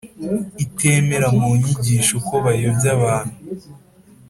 itemera Mu nyigisho ko bayobya abntu